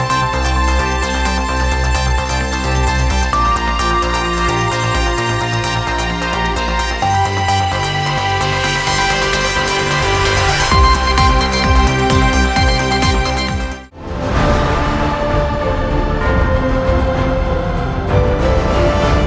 hẹn gặp lại